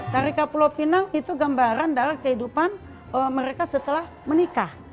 tari kapulau pinang itu gambaran dari kehidupan mereka setelah menikah